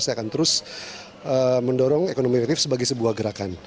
saya akan terus mendorong ekonomi kreatif sebagai sebuah gerakan